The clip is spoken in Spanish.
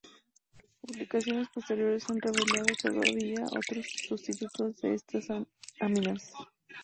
Publicaciones posteriores han revelado todavía otros sustitutos de estas aminas.